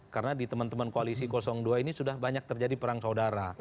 karena di teman teman koalisi dua ini sudah banyak terjadi perang saudara